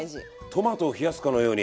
トマトを冷やすかのように。